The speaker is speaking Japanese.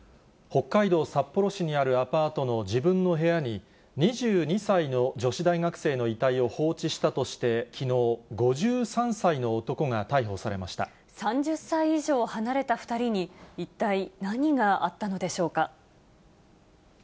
北海道札幌市にあるアパートの自分の部屋に、２２歳の女子大学生の遺体を放置したとして、きのう、３０歳以上離れた２人に、一体何があったのでしょうか。